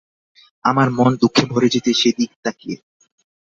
আমার মন দুঃখে ভরে যেত সেদিকে তাকিয়ে।